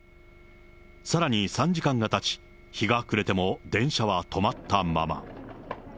さらに３時間がたち、日が暮れても電車は止まったまま。